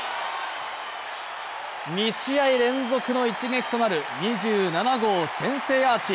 ２試合連続の一撃となる２７号先制アーチ